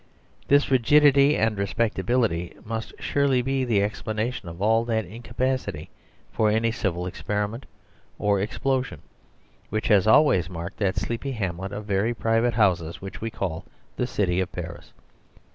This rigidity and respectability must surely be the ex planation of all that incapacity for any civil experiment or explosion, which has al ways marked that sleepy hamlet of very private houses, which we call the city of Paris.